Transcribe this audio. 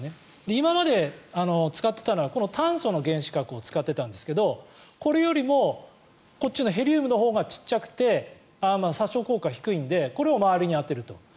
今まで使っていたのは炭素の原子核を使ってたんですけどこれよりもこっちのヘリウムのほうが小さくて殺傷効果が低いのでこれを周りに当てると。